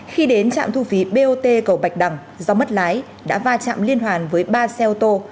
khi đến trạm thu phí bot cầu bạch đằng do mất lái đã va chạm liên hoàn với ba xe ô tô